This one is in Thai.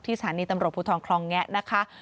สถานีตำรวจภูทรคลองแงะนะคะ